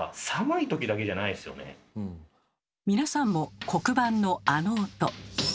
皆さんも黒板のあの音。